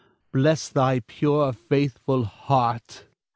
Bless thy pure, faithful heart!